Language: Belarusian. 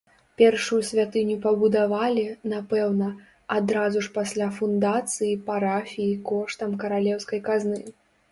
Першую святыню пабудавалі, напэўна, адразу ж пасля фундацыі парафіі коштам каралеўскай казны.